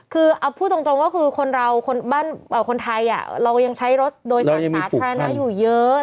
คือเอาพูดตรงว่าคือคนเราบ้านคนไทยเรายังใช้รถโดยศาสตร์ธรรมนาอยู่เยอะ